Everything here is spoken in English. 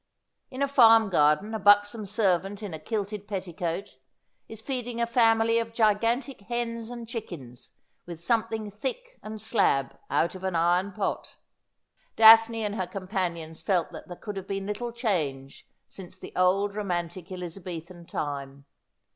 In a farm garden a buxom servant in a kilted petticoat is feeding a family of gigantic hens and chickens with something thick and slab out of an iron pot. Daphne and her companions felt that there could have been little change since the old romantic Elizabethan time.